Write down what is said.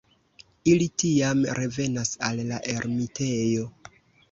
Ili tiam revenas al la ermitejo.